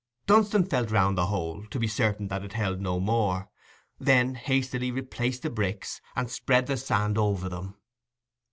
Dunstan felt round the hole, to be certain that it held no more; then hastily replaced the bricks, and spread the sand over them.